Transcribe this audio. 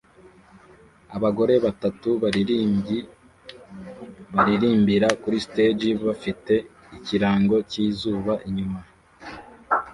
Abagore batatu baririmbyi baririmbira kuri stage bafite ikirango cyizuba inyuma